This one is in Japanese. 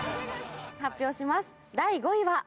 発表します。